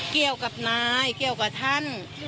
เกี่ยวกับนายเกี่ยวกับท่าน